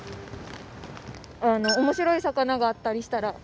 面白い魚があったりしたら。